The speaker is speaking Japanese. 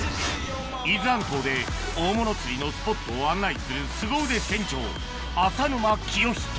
伊豆半島で大物釣りのスポットを案内するすご腕船長